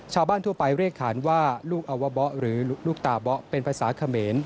ชาวบ้านทั่วไปเรียกขานว่าลูกอวเบาะหรือลูกตาเบาะเป็นภาษาเขมร